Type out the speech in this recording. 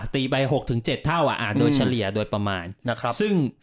ตีไป๖๗เท่าโดยเฉลี่ยโดยประมาณ